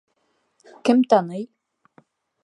Кем таный?